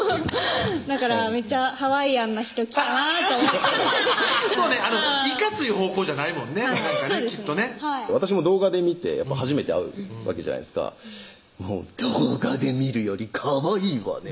だからめっちゃハワイアンな人来たなと思っていかつい方向じゃないもんねなんかねきっとね私も動画で見て初めて会うわけじゃないですか「動画で見るよりかわいいわね」